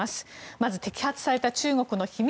まず摘発された中国の秘密